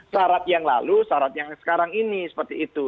sarat yang lalu sarat yang sekarang ini seperti itu